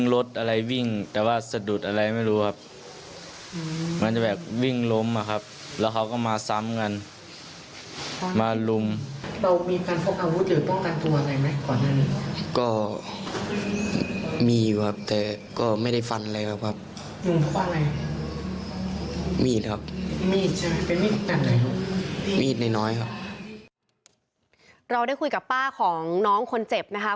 เราได้คุยกับป้าของน้องคนเจ็บนะคะ